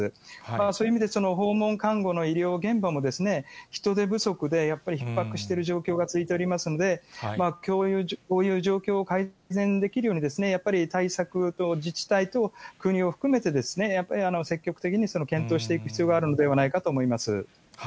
そういう意味で、その訪問看護の医療現場も、人手不足でやっぱりひっ迫してる状況が続いておりますので、こういう状況を改善できるように、やっぱり対策等、自治体等、国を含めて、やっぱり積極的に検討していく必要があるのではないかと思います。